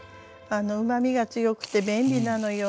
うまみが強くて便利なのよ。